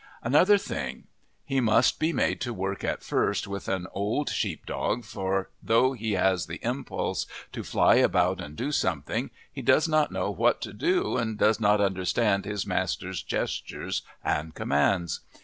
Another thing. He must be made to work at first with an old sheep dog, for though he has the impulse to fly about and do something, he does not know what to do and does not understand his master's gestures and commands.